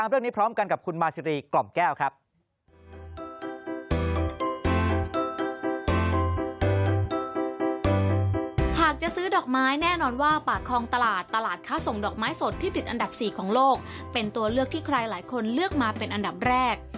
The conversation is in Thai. ซื้อดอกไม้แน่นอนว่าปักครองตลาดตลาดค่าส่งดอกไม้สดที่ติดอันดับ๔ของโลกเป็นตัวเลือกที่ใครหลายคนเลือกมาเป็นอันดับแรก